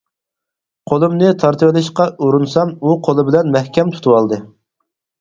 قولۇمنى تارتىۋېلىشقا ئۇرۇنسام، ئۇ قولى بىلەن مەھكەم تۇتۇۋالدى.